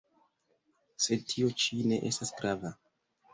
Sed tio ĉi ne estas grava.